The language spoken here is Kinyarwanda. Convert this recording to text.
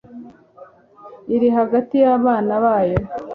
iri hagati y'abana bayo